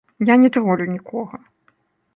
Я не тролю нікога.